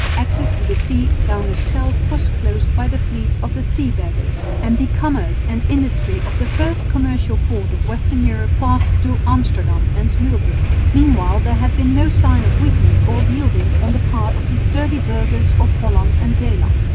Access to the sea down the Scheldt was closed by the fleets of the Sea Beggars, and the commerce and industry of the first commercial port of western Europe passed to Amsterdam and Middelburg. Meanwhile there had been no signs of weakness or of yielding on the part of the sturdy burghers of Holland and Zeeland.